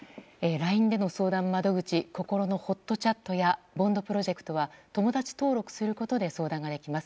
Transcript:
ＬＩＮＥでの相談窓口こころのほっとチャットやＢｏｎｄプロジェクトは友達登録することで相談ができます。